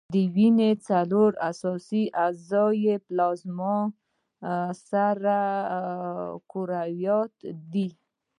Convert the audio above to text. د وینې څلور اساسي اجزاوي پلازما، سره کرویات دي.